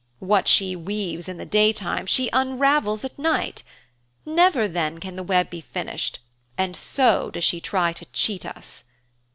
What she weaves in the daytime she unravels at night. Never, then, can the web be finished and so does she try to cheat us.